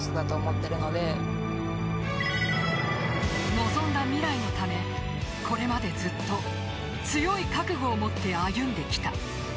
望んだ未来のためこれまでずっと強い覚悟を持って歩んできた。